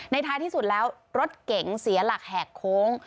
ท้ายที่สุดแล้วรถเก๋งเสียหลักแหกโค้ง